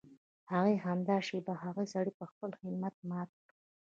هغې همدا شېبه هغه سړی په خپل همت مات کړ.